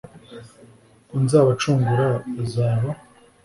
Kuko nzabacungura bazaba